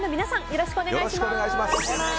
よろしくお願いします。